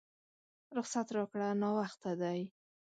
رخصت راکړه ناوخته دی!